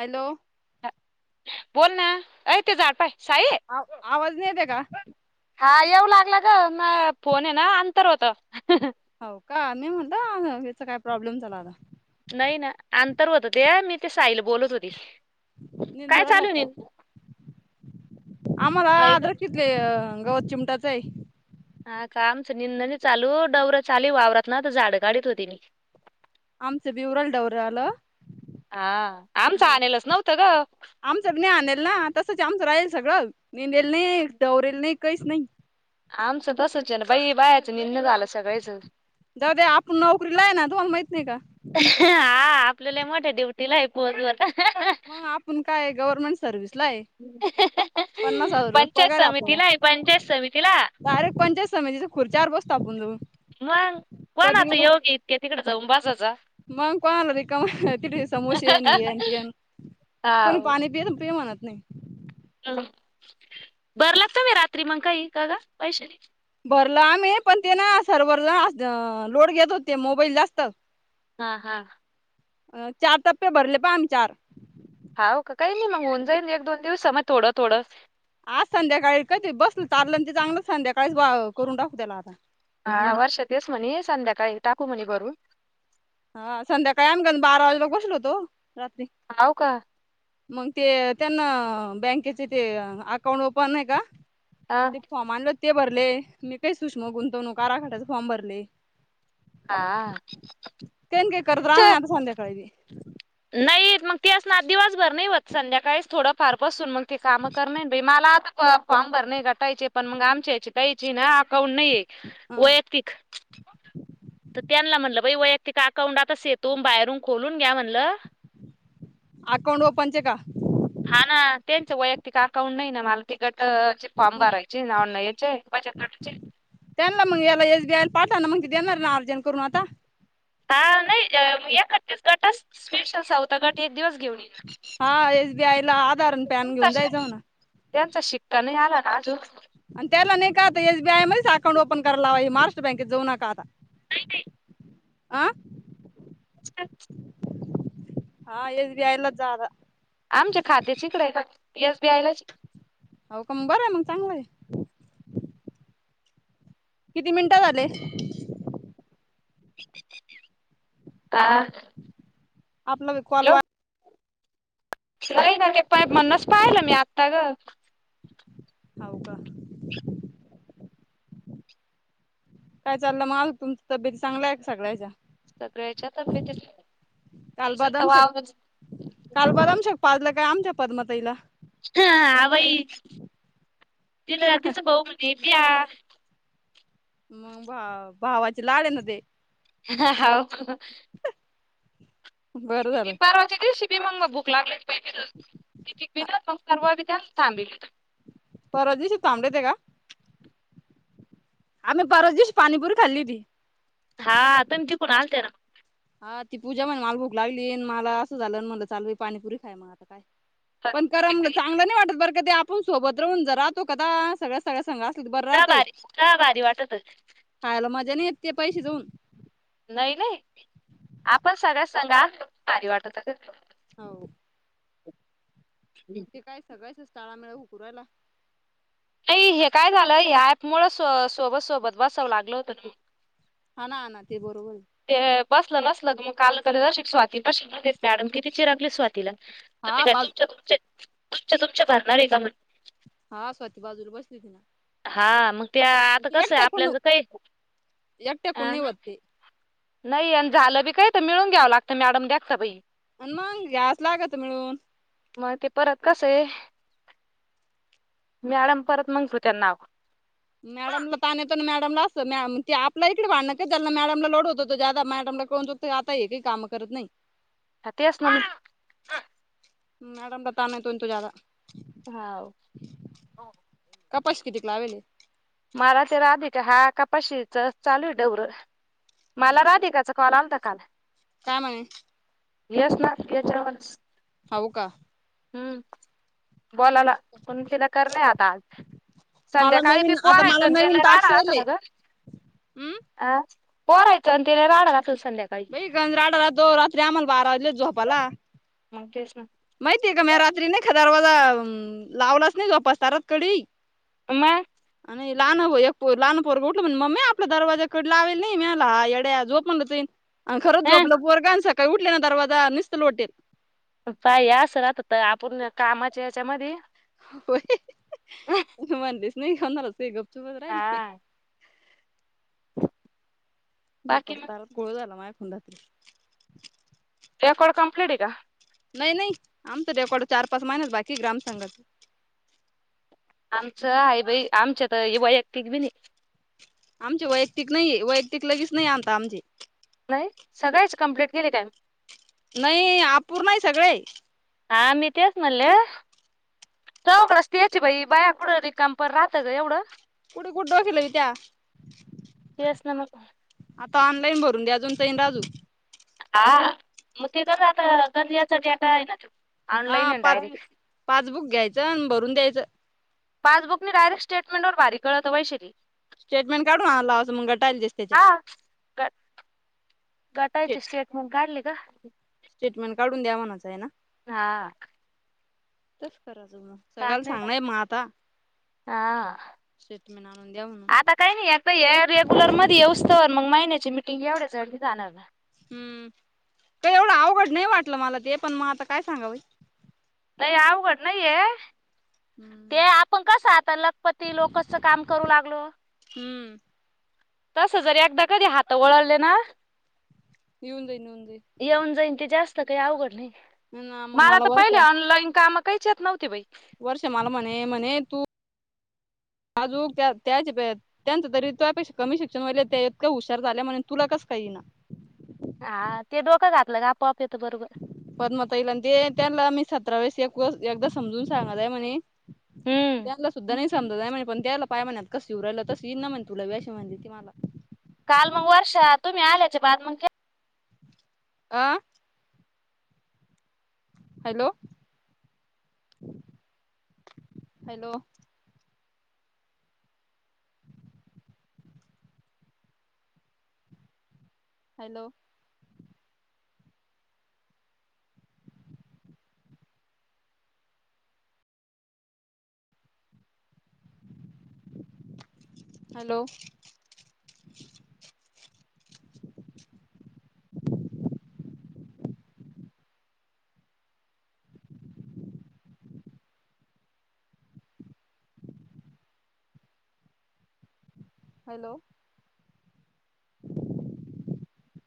Hello बोल ना अऐ ते झाड पाय साहे आवाजने येत का हा येऊ लागला ग म फोन आहे ना अंतर होत हो का मी म्हणलं याचा काय प्रॉब्लेम झाला आता नाही ना अंतर होत ते मी ते साईल बोलत होती काय निंदुराला चालू का आम्हाला नाही आदर कितले गवत चिमटाच आहे हा कामच निंदनी चालू डववरं चाली वावरत ना तर झाड कााढत होती आमचं ब्यवराल डौर आला हा आमचं आणलेलच नव्हतं ग आमचं नाही आणल ना तसंच आमचं राहील सगळं नेलेल नाही दवरेल नाही काहीच नाही आमचं तसचण बाई बायाचं निन झालं सगळचं ददा आपण नोकरी ला आहे ना तुम्हाला माहित नाही का हा आपल्याला मो ड्युटी लाय पोहचू आता मग आपण काय गव्हर्नमेंट सर्व्हस ला आहे पन्नास हजार रुपये पंचायत पगार समितीला आहे आपल्याला पंचायत समितीला बरे पंच स म्हज खुर्च्यावर बसत आपण तू मग कोणाचं येऊगी इतक्या तिकडे जाऊन बसाच मग कोण आला र का तिथ समोसे ये येन तेन कोणी हाव. पाणी पि पि म्हणत नाही ह भरलात त म् रात्री मग काही का का पैश भरलं आम्ही पण ते ना सर्वररला लोड घेत होते मोबाईल जास्त हा हा अ चार टप्पे भरले पाणी चार. हाव का काही नाही मग होऊन जाईल एक दोन दिवसा म थोडं थोडं. आज संध्याकाळी कधी बसलं चारलं ते चांगलं संध्याकाळीच ब करून टाकू त्याला आता. हा वर्षा तेच म्हणे संध्याकाळी टाकू म्हणे बरू. हा संध्याकाळी आम गन बारा वाजेला बसलो होतो रात्री. हाव का? मग ते त्यांना बँकेचे ते अकाउंट ओपन आहे का? हा ते फॉर्म आणलं ते भरले मी काही सुष्म गुंतवणू काराखाटाच फॉर्म भरले. आ तेन काय करत रहाव या आता संध्याकाळी बी. नाही मग तेच ना दिवसभर नाही होत संध्याकाळीच थोडं फार पासून मग ते कामं करणार बई मला आता फॉर्म भरने गटायचे पण मग आमच्या याची त्यायची ना अकाउंट नाहीये वैयक्तिक तर त्यांना म्हणलं बाई वैयक्तिक अकाउंट आताच येतो बाहेरून खोलून घ्या म्हणलं. अकाउंट ओपनचे का? हा ना त्यांचा वैयक्तिक अकाउंट नाही ना मला तिकट चे मग भरायचे नावून नाहीयेचे बचत गटाचे. त्यांना मग याला एस बी आय ला पावठाना मग ती देणार ना अर्जंट करून आता. हा नाही याकट्टस गटच स्पेशल सौथ गट एक दिवस घेऊन येई ना. हा एस बी आय ला आधार आणि पॅन त्यांचा घेऊन जायच शिक- म्हणा. त्यांचा शिक्का नाही आला का ना अजून? आणि त्याला नाही का आता एस बी आय मध्ये अकाउंट ओपन करायला लावा महाष्ट्र बँकेत जाऊ नका आता. आं [unintelligible] हा एस बी आय ला जारा. आमच्या खातेच इकडे आहे का एस बी आय लाच? हाव का मग बरं आहे मग चांगलं आहे. किती मिनिटं झाले? ता आपला वी कॉल नाही ना ते प म्हणणच पाहिलं मी आत्ता गं. हाव का? काय चाललं मगं तुमचं तब्येत चांगलाय का सगळ्याच्या? सगळ्याच्या तब्येतीच काल बदमशेक काल बदमशेक पाजला काय आमच्या पदमा ताईला? हा बाई. [unintelligible] मग भा भावाची लाड आहे ना ते. हा हा हाव [unintelligible] बरं ती झालं परवाची दिवशी मंग भुक लागले. [unintelligible] थांबलीतो परवा दिवशी थांबले होते का? आम्ही परवा दिवस पाणीपूरी खाल्ली होती. हा तुम्ही तिकून आलते ना. हा ती पूजा म्हणे मला भूक लागली आणि मला असं झालं म्हटलं चाल वई पाणीपुरी खाय मग आता काय. पण करा मला का चांगलं नाही वाटत बरं का ते आपण सोबत राहून जरा तो कदा सगळ्या सगळ्या संगा असल तर बरं राहतं भारी का भारी वाटत होत. खायला मजा नाही येत ते पैशे जाऊन. नाही नाही आपण सगळ्या संगा असलो का भारी वाटतं. हो ते काय सगळ्यांचाचं टाळा मेळा हुकू राहीला. नाही हे काय झालं या ऐप मुळे सो सोबत सोबत बसावं लागलं होतं ना मग. हा ना ना ते बरोबर आहे. ते बसलं नसल मग काल कस स्वाती पाशी मॅडम पाशी किती चिरागली स्वातीला. तुम्ही हा काय बाजू तुमच्या तुमचे तुमचे तुमच्या भरणार आहे का म्हण हा स्वती बाजूला बसली होती ना. हा मग ते आता ती कसं आहे एकट्याकून आपल्याकड काही अ एकट्याकून नाही होत ते. नाही आणि झालं बी काही तर मिळून घ्यावं लागतं मॅडम देखता बाई. अन मंग घ्याय च लागत मिळून. म ते परत कसंये मॅडम परत ठेवत्या नाव. मॅडमला ताण येतो ना मॅडमला अस ते आपला इकडणं का ज्यांना मॅडमला लोड होतो ज्यादा मॅडमला कळून चू तय आता हे काही काम करत नाही. हा तेच ना. मॅडम ला ताण येतो ना तो ज्यादा. हवं! कपाशी कितीक लावेले? मला ते राधिका हा कपाशीच चालू आहे डवर मला राधिकाच कॉल आलता काल. काय म्हणे? हेच ना याच्या वरच. हाव का! हम्म बोलायला पण तिला करन आहे आता आज. मला संध्याकाळी नवीन बी आता पोरा मला येत नवीन टाक्स राडा येले घातला ग. हम् अ पोरयच आण तीन राडा घातला संध्या बाई गंज राड राहतो रात्रीे आम्हाला बारा वाजले झोयपाला. मग तेच ना माहितीय का म्या रात्री नाही का दारवाज लावलाच नाही जोपासताच डायरेक्ट कडी. म! नाही लहान एको लहान पोर ऊठलं म्हनि मम्मे आपला दरवाजा कडी लावेली नाही. मी म्हटलं झोप हा यड्या आण खरंच हं झोपलं पोरग आणि सकाळी उठले ना दरवाजा निसत लोटेल. पाय अस राहत्यात आपण कामाच्या याच्यामधी होय म्हणलीच नाही कोणाला सगळे गपचुपच राहिले. हा बाकी मग जोपसतान गोळ झाला मायाकडून रात्री. रेकॉर्ड कंप्लीटी हाय का? नाही नाही आमच रेकॉड चार पाच महिने बाकी ग्रामसंघाच. आमचं आहे बाई आमच्या तर वैयक्तिक बी नाही. आमची वैयक्तिक नाही वैयक्तिक लगेच नाही आमत आमची. नाही सगळीच कमप्लीट केली त्या नाही अपूर्ण आहे सगळे. हा मी तेच म्हणलं चौकड तेच बाई बाया कुडं रिकाम पण राहतं ग एवढं. पुढ कुठ डोक लावतीय. तेच ना मग. आता ऑनलाईन भरून द्या अजून सईन राजू हा म ते तर आता गालियाचा डेटा आहे ना तो. हा ऑनलाईन आहे पाच डायरेक्ट पाच बुक घ्यायचं भरून द्यायचं. पासबुक नाय डायरेक् स्टेटमेंटवर भारी कळत वैशाली. स्टेटमेंट काढून आला असं मग गटायला दिसत त्याच्या. स्टेट गटायचे स्टेटमेंट काढले का? स्टेटमेंट काढून द्या म्हणाचं आहे ना? हा! तेच कराय च म. सगळ्याला काढले का? सांगण हाय म आता हा स्टेटमेंट आणून द्या म्हणून. आता काही नाही आता, रेग्युलर मध्ये येऊस्तं मग महिन्याची मिटिंग एवढ्या जड नहीं जाणार ना. हम्म, ते एवढं अवघड नाही वाटलं मला ते, पण मग आता काय सांगावं. नाही अवघड नाही ये, हम्म ते पण कसं आता लखपती लोकसच काम करू लागलो. हम्म. तस जर एकदा कधी हात वळाले ना यीऊन येऊन जाईन. येऊन जाईन ते जास्त काही अवघड नही, जाईन मग माला मला तर पहिले वर्षा ऑनलाईन कामं काहीच येत नव्ह ते बाई. वर्षा मला म्हणे, म्हणे तू आजूक त्या त्याचप त्यांचं तरी त्योयापेक्षा कमी शिक्षण व्हयले, त्या इतक्या हुशार झाल्या म्हने तुला कस येइना? हा ते डोकं घातलं का, आपोआप येतं बरोबर. पद्म ताईला दे, त्यान्ला मी सतरा वेळेस एक व एकदा समजून सांगलाय म्हणे हम्म. तत्यान्ला सुद्धा नहीं समजत म्हने पण त्यांना पाय म्हणत कस रायला तस येईन म्हण तुला अशी म्हणली ती मला. काल मग वर्षा, तुम्ही आल्याचे बाद मग क् आं? Hello? Hello? Hello? Hello? Hello? [inaudible]